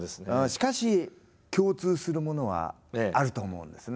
しかし共通するものはあると思うんですね。